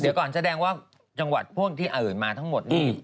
เดี๋ยวก่อนแสดงว่าจังหวัดพวกที่อื่นมาทั้งหมดนี่